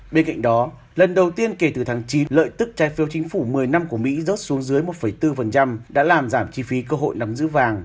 bên cạnh đó lần đầu tiên kể từ tháng chín lợi tức trái phiếu chính phủ một mươi năm của mỹ rớt xuống dưới một bốn đã làm giảm chi phí cơ hội nắm giữ vàng